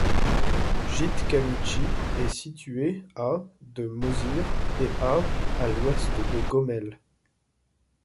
Jytkavitchy est située à de Mozyr et à à l'ouest de Gomel.